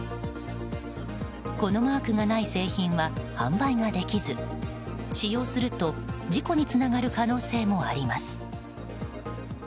このマークがない製品は販売ができず使用すると事故につながる可能性もあります。